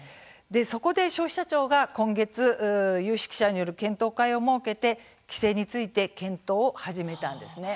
そこで、消費者庁が今月有識者による検討会を設けて規制について検討を始めたんですね。